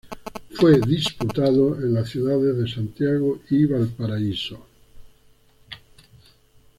Fue disputado en las ciudades de Santiago y Valparaíso.